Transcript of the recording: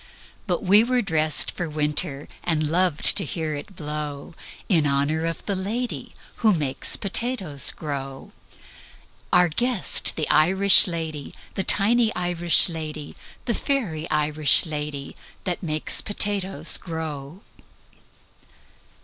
But we were dressed for winter, And loved to hear it blow In honor of the lady Who makes potatoes grow Our guest, the Irish lady, The tiny Irish lady, The fairy Irish lady That makes potatoes grow.